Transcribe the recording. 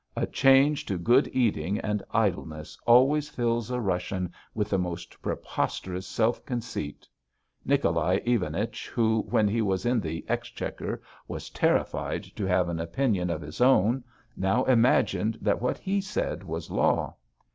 A change to good eating and idleness always fills a Russian with the most preposterous self conceit. Nicholai Ivanich who, when he was in the Exchequer, was terrified to have an opinion of his own, now imagined that what he said was law.